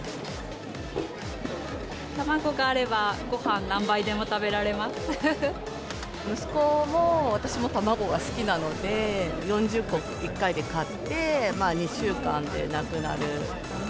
卵があれば、息子も私も卵が好きなので、４０個１回で買って、２週間でなくなる。